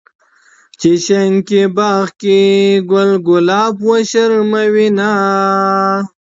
چې شينکي باغ کې ګل ګلاب وشرمووينه